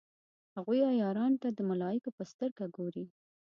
هغوی عیارانو ته د ملایکو په سترګه ګوري.